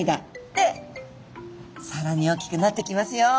でさらにおっきくなってきますよ。